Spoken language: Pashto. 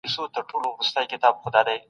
بهرني پانګوال به خپله پانګه دلته وساتي.